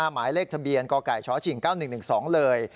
หมายเลขทะเบียนกไก่ชชิง๙๑๑๒เลย